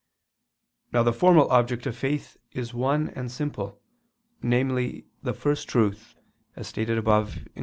Now the formal object of faith is one and simple, namely the First Truth, as stated above (Q.